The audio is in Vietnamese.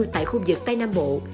tại khu vực tây nam bộ